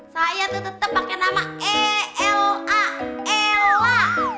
saya tuh tetep pake nama ella ella